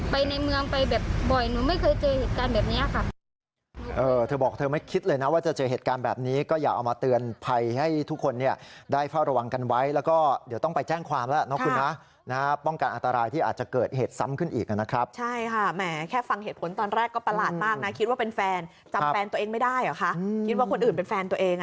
ในเมืองไปแบบบ่อยหนูไม่เคยเจอเหตุการณ์แบบนี้ค่ะ